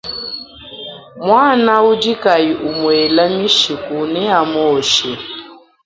Muana udi kayi umuela mishiku neamuoshe.